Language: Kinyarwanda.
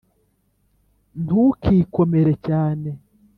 ntukikomere cyane.